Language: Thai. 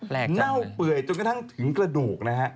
เน่าเปื่อยจนกระทั่งถึงกระดูกนะฮะ